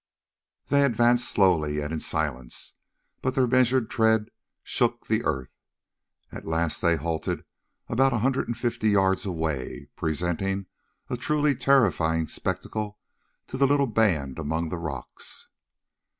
They advanced slowly and in silence, but their measured tread shook the earth. At last they halted about a hundred and fifty yards away, presenting a truly terrifying spectacle to the little band among the rocks.